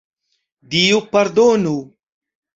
Dio pardonu!